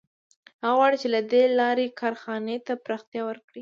هغه غواړي چې له دې لارې کارخانې ته پراختیا ورکړي